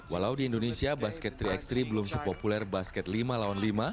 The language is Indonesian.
walau di indonesia basket tiga x tiga belum sepopuler basket lima lawan lima